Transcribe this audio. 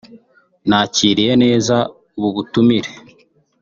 "Nakiriye neza ubu butumire